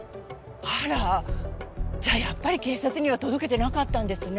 あらじゃあやっぱり警察には届けてなかったんですね。